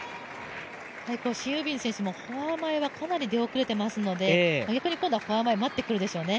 シン・ユビン選手もフォア前はかなり出遅れていますので、やっぱり今度はフォア前、待ってくるでしょうね。